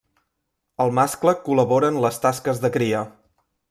El mascle col·labora en les tasques de cria.